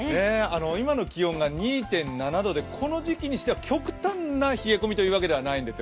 今の気温が２．７度でこの時期にしては極端な冷え込みというわけではないんですよ。